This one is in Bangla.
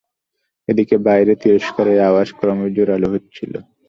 এদিকে বাইরে তিরস্কারের আওয়াজ ক্রমে জোরাল হচ্ছিল।